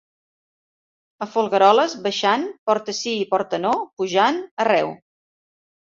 A Folgueroles, baixant, porta sí i porta no; pujant, arreu.